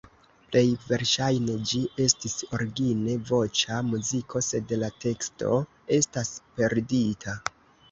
Plej verŝajne ĝi estis origine voĉa muziko, sed la teksto estas perdita.